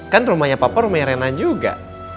kan rumahnya papa rumahnya rena juga